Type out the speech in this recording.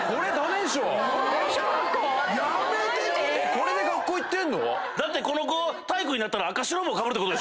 これで学校行ってんの⁉